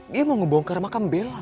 dia mau ngebongkar makam bela